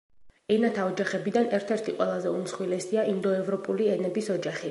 ენათა ოჯახებიდან ერთ-ერთი ყველაზე უმსხვილესია ინდოევროპული ენების ოჯახი.